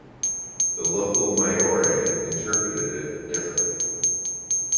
The local Maori interpreted it differently.